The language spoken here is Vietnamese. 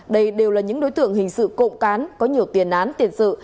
đây đều là những đối tượng hình sự cộng cán có nhiều tiền án tiền sự